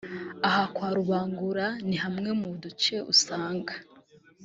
Aha kwa Rubangura ni hamwe mu duce usanga